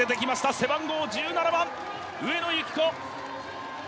背番号１７番・上野由岐子。